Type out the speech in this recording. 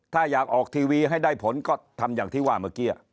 ถ้าอยากออกทีวีให้ได้ผลก็ทำอย่างที่ว่าเมื่อกี้